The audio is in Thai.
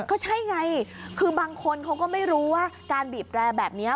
ก็ใช่ไงคือบางคนเขาก็ไม่รู้ว่าการบีบแรร์แบบนี้